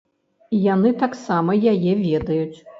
І яны таксама яе ведаюць!